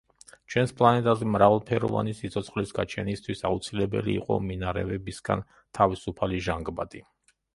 ჩვენს პლანეტაზე მრავალფეროვანი სიცოცხლის გაჩენისთვის აუცილებელი იყო მინარევებისგან თავისუფალი ჟანგბადი.